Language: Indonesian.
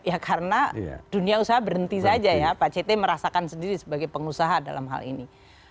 ya karena dunia usaha berhenti saja ya pak ct merasakan sendiri sebagai pengusaha dalam hal ini